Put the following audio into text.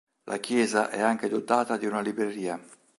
La chiesa è anche dotata di una libreria.